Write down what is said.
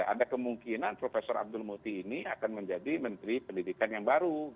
ada kemungkinan prof abdul muti ini akan menjadi menteri pendidikan yang baru